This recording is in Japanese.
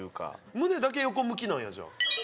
胸だけ横向きなんやじゃあ。